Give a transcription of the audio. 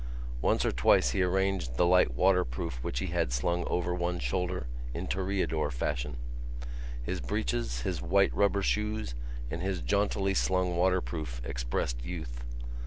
Once or twice he rearranged the light waterproof which he had slung over one shoulder in toreador fashion. His breeches, his white rubber shoes and his jauntily slung waterproof expressed youth.